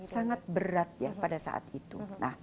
sangat berat ya pada saat itu